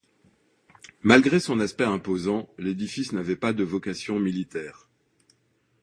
Malgré son aspect imposant, l'édifice n'avait pas de vocation militaire.